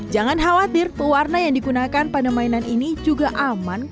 jangan khawatir pewarna yang digunakan adalah yang paling penting untuk anak anak